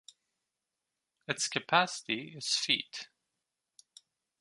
Its capacity is feet.